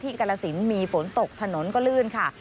ที่กาละสินมีฝนตกถนนก็ลื่นค่ะ